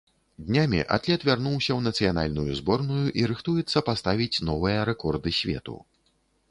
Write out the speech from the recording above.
Днямі атлет вярнуўся ў нацыянальную зборную і рыхтуецца паставіць новыя рэкорды свету.